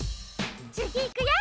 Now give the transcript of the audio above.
つぎいくよ！